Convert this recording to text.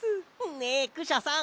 ねえクシャさん